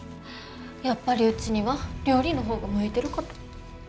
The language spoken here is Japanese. やっぱりうちには料理の方が向いてるかと。